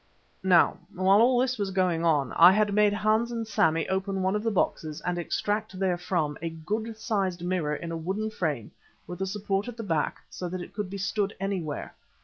Now, while all this was going on, I had made Hans and Sammy open one of the boxes and extract therefrom a good sized mirror in a wooden frame with a support at the back so that it could be stood anywhere.